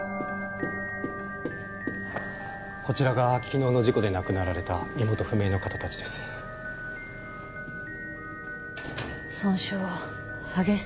こちらが昨日の事故で亡くなられた身元不明の方達です損傷激し